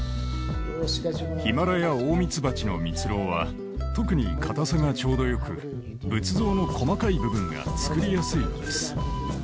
ヒマラヤオオミツバチのミツロウは特に硬さがちょうどよく仏像の細かい部分が作りやすいのです。